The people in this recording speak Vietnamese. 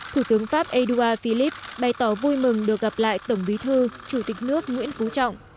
thủ tướng pháp edouard philip bày tỏ vui mừng được gặp lại tổng bí thư chủ tịch nước nguyễn phú trọng